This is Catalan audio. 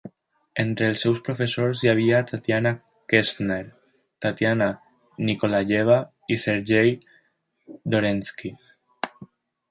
Entre els seus professors hi havia Tatiana Kestner, Tatiana Nikolayeva i Sergei Dorensky.